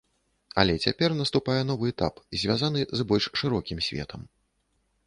Але цяпер наступае новы этап, звязаны з больш шырокім светам.